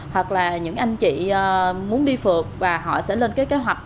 hoặc là những anh chị muốn đi phượt và họ sẽ lên cái kế hoạch